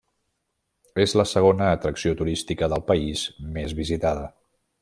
És la segona atracció turística del país més visitada.